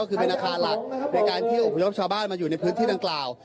ก็คือเป็นอาคารหลักในการที่อบพยพชาวบ้านมาอยู่ในพื้นที่ดังกล่าว